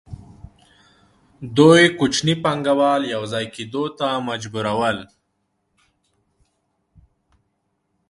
دوی کوچني پانګوال یوځای کېدو ته مجبورول